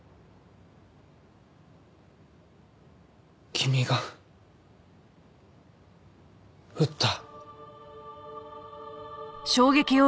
君が撃った？